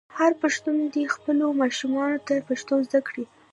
هر پښتون دې خپلو ماشومانو ته پښتو زده کړه.